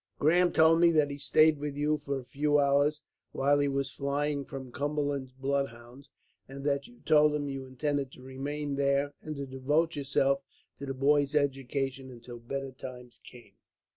Grahame told me that he stayed with you for a few hours, while he was flying from Cumberland's bloodhounds; and that you told him you intended to remain there, and to devote yourself to the boy's education, until better times came.